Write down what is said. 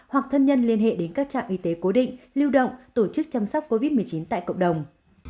hoặc thân nhân liên hệ đến các trạm y tế cố định lưu động tổ chức chăm sóc covid một mươi chín tại cộng đồng